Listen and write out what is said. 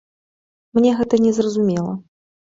Мне гэта не зразумела.